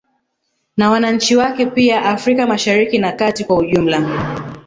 Na wananchi wake pia Afrika Mashariki na kati kwa ujumla